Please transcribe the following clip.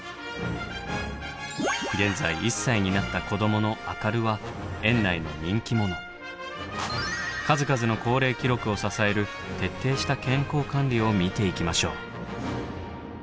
現在１歳になった子どものアカルは数々の高齢記録を支える徹底した健康管理を見ていきましょう。